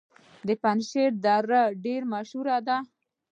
د پنجشیر دره ډیره مشهوره ده